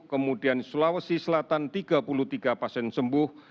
kemudian sulawesi selatan tiga puluh tiga pasien sembuh